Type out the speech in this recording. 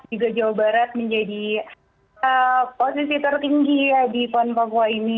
juga jawa barat menjadi posisi tertinggi ya di pon papua ini